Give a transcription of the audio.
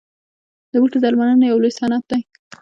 د بوټو درملنه یو لوی صنعت دی